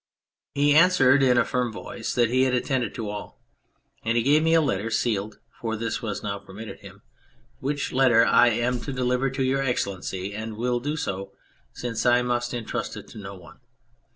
He answered in a firm voice that he had attended to all. And he gave me a letter sealed (for this was now permitted him), which letter I am to deliver to Your Excellency and will do so, since J must entrust it to no one.